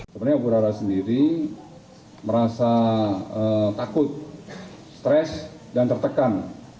sebenarnya ibu rara sendiri merasa takut stres dan tertekan